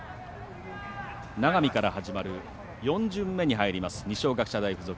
永見から始まる４巡目に入ります二松学舎大付属。